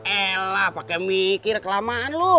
yaelah pakai mikir kelamaan lu